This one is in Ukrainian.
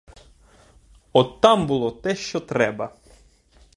От там було те, що треба!